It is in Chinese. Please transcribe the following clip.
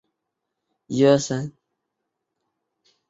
天启元年辛酉乡试举人。